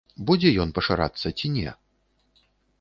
Будзе ён пашырацца ці не?